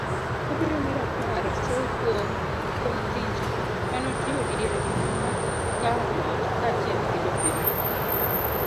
wabiro medo paro Soo kuom tich manotimo diere mag kawo loch kaachiel gi jopiny